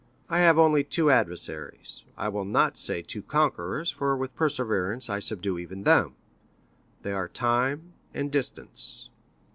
I have only two adversaries—I will not say two conquerors, for with perseverance I subdue even them,—they are time and distance.